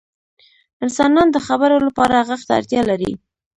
• انسانان د خبرو لپاره ږغ ته اړتیا لري.